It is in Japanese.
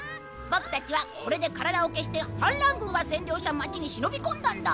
ボクたちはこれで体を消して反乱軍が占領した街に忍び込んだんだ